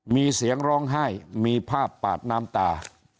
มีเสียงร้องไห้มีภาพปาดน้ำตา